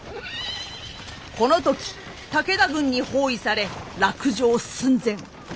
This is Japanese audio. この時武田軍に包囲され落城寸前。